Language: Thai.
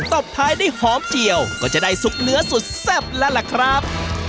ตบท้ายได้หอมเจียวก็จะได้ซุปเนื้อสุดแซ่บแล้วล่ะครับ